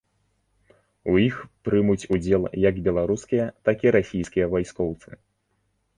У іх прымуць удзел як беларускія, так і расійскія вайскоўцы.